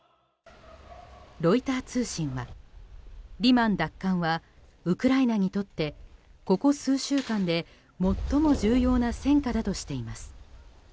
ロイター通信は、リマン奪還はウクライナにとってここ数週間で最も重要な戦果だとしています。